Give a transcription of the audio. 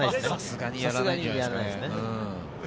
さすがにやらないですね。